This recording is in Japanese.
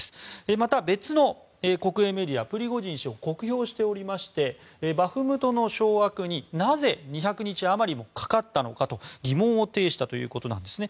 また、別の国営メディアはプリゴジン氏を酷評していましてバフムトの掌握になぜ２００日余りもかかったのかと疑問を呈したということなんですね。